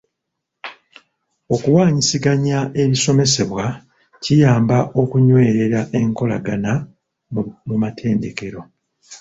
Okuwaanyisiganya ebisomesebwa kiyamba okunywerera enkolagana mu matendekero.